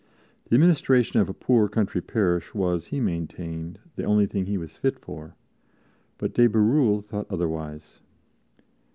The administration of a poor country parish was, he maintained, the only thing he was fit for, but de Bérulle thought otherwise.